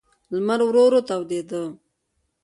لمر ورو ورو تودېده.